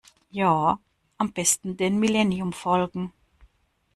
Ja, am besten den Milleniumfalken.